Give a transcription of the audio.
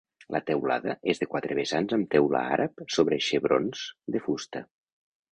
La teulada és de quatre vessants amb teula àrab sobre xebrons de fusta.